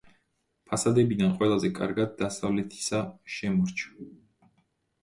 ფასადებიდან ყველაზე კარგად დასავლეთისა შემორჩა.